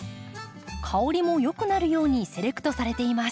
香りもよくなるようにセレクトされています。